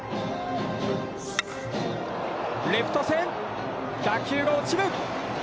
レフト線、打球が落ちる！